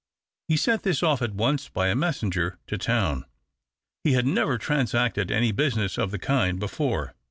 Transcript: He sent this off at once by a messenger to town. He had never transacted any business of the kind before.